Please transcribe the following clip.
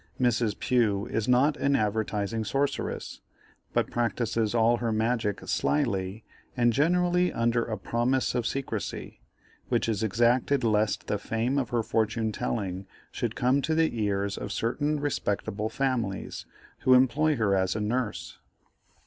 Mrs. Pugh is not an advertising sorceress, but practises all her magic slily, and generally under a promise of secresy, which is exacted lest the fame of her fortune telling should come to the ears of certain respectable families, who employ her as a nurse.